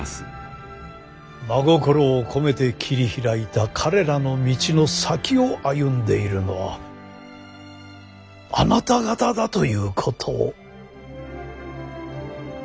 真心を込めて切り開いた彼らの道の先を歩んでいるのはあなた方だということを。